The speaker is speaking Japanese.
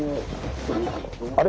あれ？